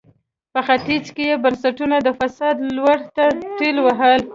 په ختیځ کې یې بنسټونه د فساد لور ته ټېل وهل.